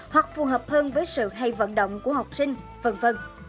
hoặc phù hợp hơn với sự hay vận động của học sinh v v